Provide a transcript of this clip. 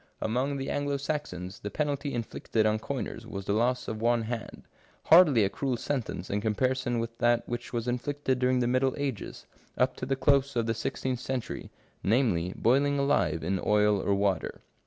Among the Anglo Saxons the penalty inflicted on coiners was the loss of one hand ; hardly a cruel sentence in comparison with that which was inflicted during the middle ages, up to the close of the sixteenth century, namely, boiling alive in oil or water.